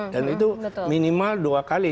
dan itu minimal dua kali